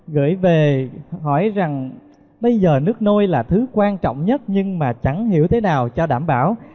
gửi về hỏi rằng bây giờ nước nôi là thứ quan trọng nhất nhưng mà chẳng hiểu thế nào cho đảm bảo